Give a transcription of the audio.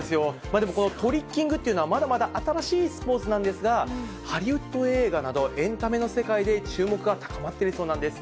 でもこのトリッキングというのはまだまだ新しいスポーツなんですが、ハリウッド映画など、エンタメの世界で注目が高まっているそうなんです。